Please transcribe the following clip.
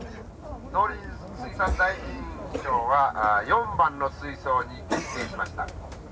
農林水産大臣賞は４番の水槽に決定しました。